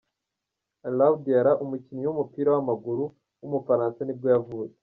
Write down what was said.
Alou Diarra, umukinnyi w’umupira w’amaguru w’umufaransa nibwo yavutse.